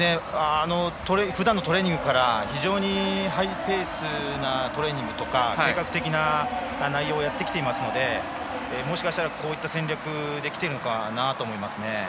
ふだんのトレーニングから非常にハイペースなトレーニングとか計画的な内容をやってきていますのでもしかしたらこういった戦略できているのかなと思います。